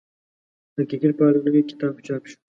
د کرکټ په اړه نوی کتاب چاپ شو.